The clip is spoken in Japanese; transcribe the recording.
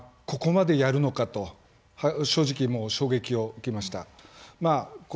ここまでやるのかと正直衝撃を受けました。